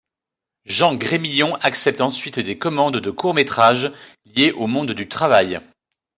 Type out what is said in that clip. Jean Grémillon accepte ensuite des commandes de courts-métrages liés au monde du travail.